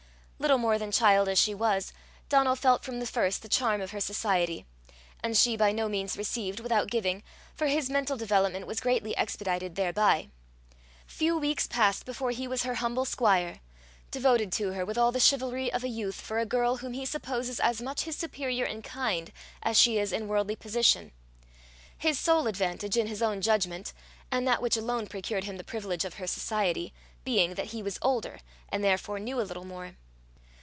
Little more than child as she was, Donal felt from the first the charm of her society; and she by no means received without giving, for his mental development was greatly expedited thereby. Few weeks passed before he was her humble squire, devoted to her with all the chivalry of a youth for a girl whom he supposes as much his superior in kind as she is in worldly position; his sole advantage, in his own judgment, and that which alone procured him the privilege of her society, being, that he was older, and therefore knew a little more.